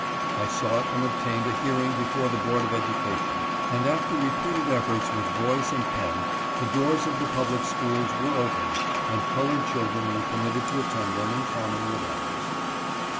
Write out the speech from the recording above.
I sought and obtained a hearing before the Board of Education, and after repeated efforts with voice and pen the doors of the public schools were opened and colored children were permitted to attend them in common with others.